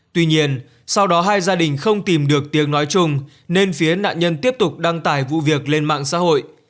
tuy nhiên sau đó hai gia đình không tìm được tiếng nói chung nên phía nạn nhân tiếp tục đăng tải vụ việc lên mạng xã hội